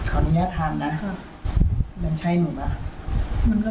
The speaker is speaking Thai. คือเราก็ยืนยังตั้งแต่แรกแล้วอ่ะเราอยู่ในความรู้สึกเป็นบ้าน